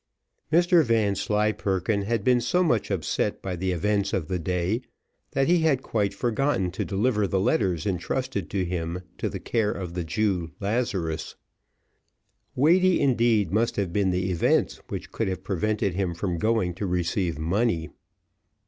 Mr Vanslyperken had been so much upset by the events of the day, that he had quite forgotten to deliver the letters entrusted to him to the care of the Jew Lazarus; weighty indeed must have been the events which could have prevented him from going to receive money.